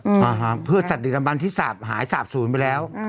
อืมอ่าฮะเพื่อสัตว์อีกลำบันที่สาบหายสาบศูนย์ไปแล้วอืม